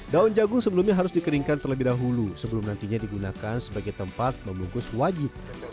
daun jagung sebelumnya harus dikeringkan terlebih dahulu sebelum nantinya digunakan sebagai tempat membungkus wajit